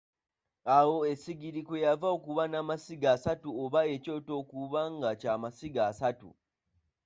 Awo essigiri kwe yava okuba namasiga asatu oba ekyoto okuba nga kyamasiga asatu.